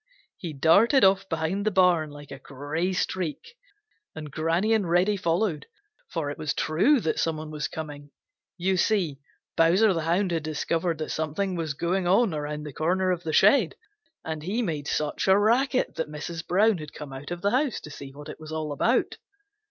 He darted off behind the barn like a gray streak, and Granny and Reddy followed, for it was true that some one was coming. You see Bowser the Hound had discovered that something was going on around the corner of the shed, and he made such a racket that Mrs. Brown had come out of the house to see what it was all about.